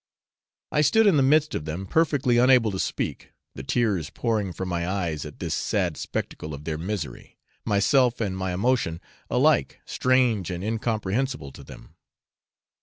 I stood in the midst of them, perfectly unable to speak, the tears pouring from my eyes at this sad spectacle of their misery, myself and my emotion alike strange and incomprehensible to them.